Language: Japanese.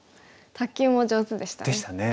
卓球も上手でしたね。